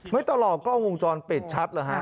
ไม่ตลอดกล้องวงจรเปลี่ยนชัดเหรอค่ะ